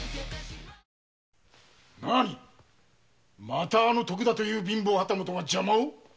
またあの徳田という貧乏旗本が邪魔を？